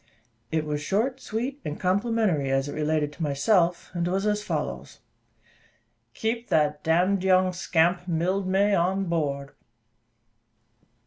It was short, sweet, and complimentary, as it related to myself, and was as follows: "Keep that d d young scamp, Mildmay, on board."